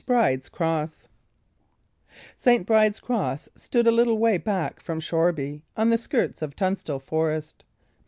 BRIDE'S CROSS St. Bride's cross stood a little way back from Shoreby, on the skirts of Tunstall Forest.